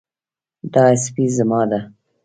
دا سپی زما ده